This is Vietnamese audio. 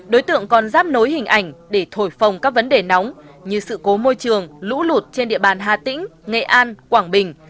đối tượng còn giáp nối hình ảnh để thổi phòng các vấn đề nóng như sự cố môi trường lũ lụt trên địa bàn hà tĩnh nghệ an quảng bình